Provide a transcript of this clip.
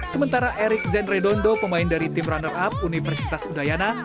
sementara eric zenredondo pemain dari tim runner up universitas udayana